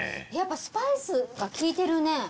やっぱスパイスが効いてるね。